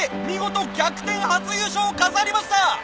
見事逆転初優勝を飾りました！